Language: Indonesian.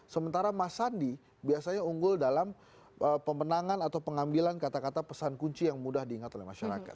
sementara mas sandi biasanya unggul dalam pemenangan atau pengambilan kata kata pesan kunci yang mudah diingat oleh masyarakat